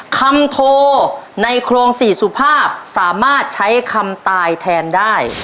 โทในโครงสี่สุภาพสามารถใช้คำตายแทนได้